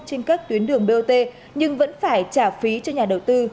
trên các tuyến đường bot nhưng vẫn phải trả phí cho nhà đầu tư